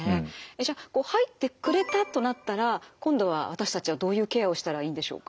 じゃあ入ってくれたとなったら今度は私たちはどういうケアをしたらいいんでしょうか？